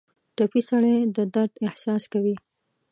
ټپي سړی د درد احساس کوي.